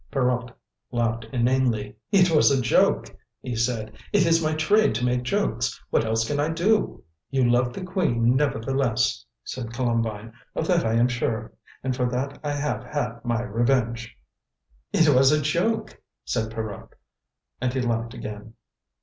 Pierrot laughed inanely. "It was a joke," he said. "It is my trade to make jokes. What else can I do?" "You love the Queen nevertheless," said Columbine, "of that I am sure, and for that I have had my revenge." "It was a joke," said Pierrot, and he laughed again.